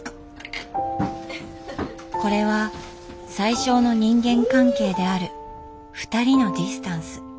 これは最少の人間関係である「ふたり」のディスタンス